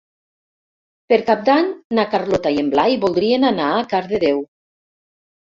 Per Cap d'Any na Carlota i en Blai voldrien anar a Cardedeu.